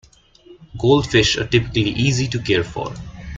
Goldfish are typically easy to care for.